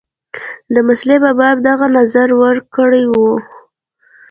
د مسلې په باب دغه نظر ورکړی وو.